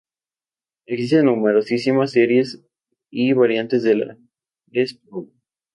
Existen numerosísimas series y variantes de la Les Paul.